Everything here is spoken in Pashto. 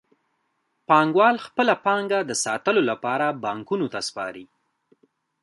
پانګوال خپله پانګه د ساتلو لپاره بانکونو ته سپاري